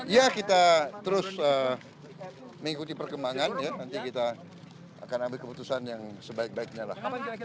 ya kita terus mengikuti perkembangan ya nanti kita akan ambil keputusan yang sebaik baiknya lah